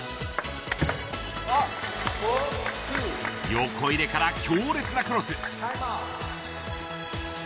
横入れから強烈なクロス。